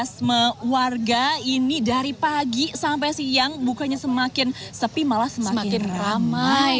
warga ini dari pagi sampai siang bukanya semakin sepi malah semakin ramai